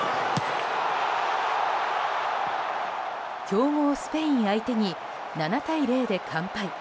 強豪スペイン相手に７対０で完敗。